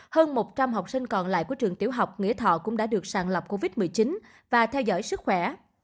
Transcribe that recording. hơn một trăm linh học sinh còn lại của trường tiểu học nghĩa thọ cũng đã được sàng lọc covid một mươi chín và theo dõi sức khỏe